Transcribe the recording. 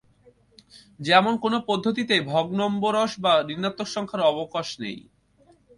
যেমন কোন পদ্ধতিতেই ভগ্নম্বরশ বা ঋণাত্মক সংখ্যার অবকাশ নেই।